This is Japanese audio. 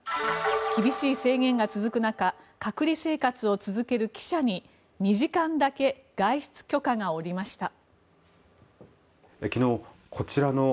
厳しい制限が続く中隔離生活を続ける記者に２時間だけ外出許可が降りました。